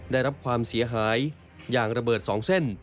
ได้รับความเสียหายอย่างระเบิด๒เส้น